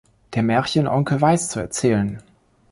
Der Märchenonkel weiß zu erzählen.